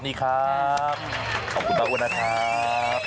นี่ครับขอบคุณป้าอุ่นนะครับ